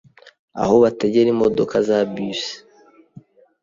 Aho bategera imodoka za bus